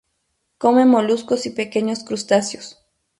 Come moluscos y pequeños crustáceos.